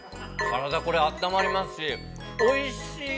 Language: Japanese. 体これあったまりますし、おいしい。